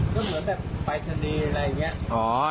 ก็เหมือนแบบไปทะเลอะไรอย่างเงี้ย